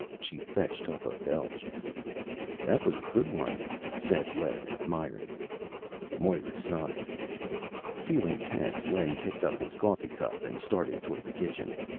She fetched up a belch. "That was a good one," said Len admiringly. Moira sighed. Feeling tense, Len picked up his coffee cup and started toward the kitchen.